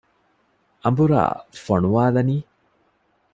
އަނބުރާ ފޮނުވާލަނީ؟